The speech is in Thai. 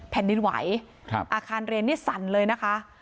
แผ่นดินไหวอาคารเรียนนี่สั่นเลยนะคะ